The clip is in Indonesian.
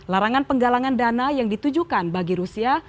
larangan penggalangan dana yang ditujukan bagi rusia